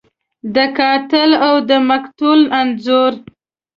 د قاتل او د مقتول انځور